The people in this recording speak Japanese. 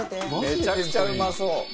めちゃくちゃうまそう。